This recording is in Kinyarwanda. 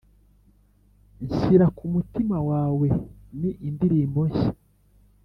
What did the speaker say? Nshyira ku mutima wawe ni indirimbo shya